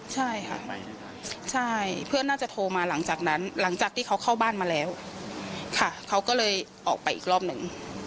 ใช่ค่ะใช่เพื่อนน่าจะโทรมาหลังจากนั้นหลังจากที่เขาเข้าบ้านมาแล้วค่ะเขาก็เลยออกไปอีกรอบหนึ่ง